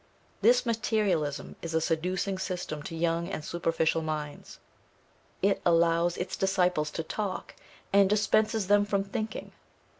This materialism is a seducing system to young and superficial minds. It allows its disciples to talk, and dispenses them from thinking.